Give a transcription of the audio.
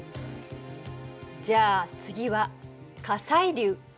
じゃあ次は火砕流。